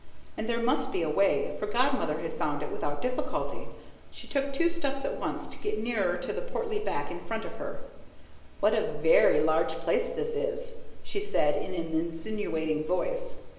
And there must be a way, for Godmother had found it without difficulty. She took two steps at once, to get nearer to the portly back in front of her. "What a VERY large place this is!" she said in an insinuating voice.